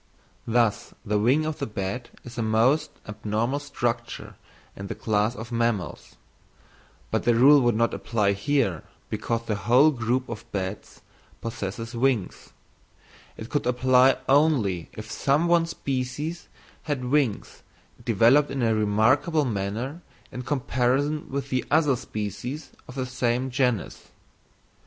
Thus, the wing of the bat is a most abnormal structure in the class of mammals; but the rule would not apply here, because the whole group of bats possesses wings; it would apply only if some one species had wings developed in a remarkable manner in comparison with the other species of the same genus.